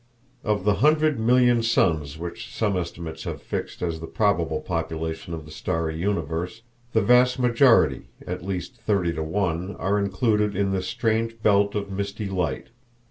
Of the hundred million suns which some estimates have fixed as the probable population of the starry universe, the vast majority (at least thirty to one) are included in this strange belt of misty light.